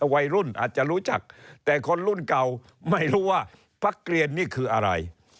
วัยรุ่นอาจจะรู้จักแต่คนรุ่นเก่าไม่รู้ว่าพักเกลียนนี่คืออะไร